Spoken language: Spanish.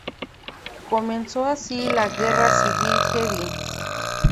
Comenzó así la Guerra Civil Jedi.